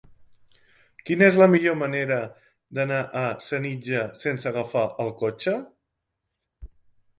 Quina és la millor manera d'anar a Senija sense agafar el cotxe?